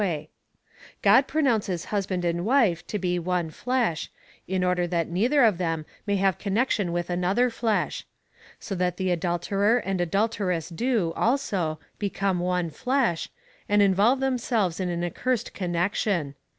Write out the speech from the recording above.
2] 9 nounces husband and wife to be one flesh, in order that neither of them may have connection Avith another flesh ; so that the adulterer and adulteress do, also, become one flesh, and involve themselves in an accursed connection.